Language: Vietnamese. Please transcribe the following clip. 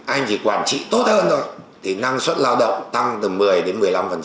anh chỉ quản trị tốt hơn thôi thì năng suất lao động tăng từ một mươi đến một mươi năm